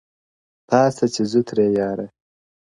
پاڅه چي ځو ترې ه ياره